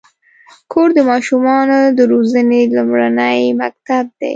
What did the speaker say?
کور د ماشومانو د روزنې لومړنی مکتب دی.